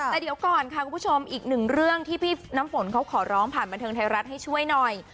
แต่เดี๋ยวก่อนค่ะคุณผู้ชมอีกหนึ่งเรื่องที่พี่น้ำฝนเขาขอร้องผ่านบันเทิงไทยรัฐให้ช่วยหน่อย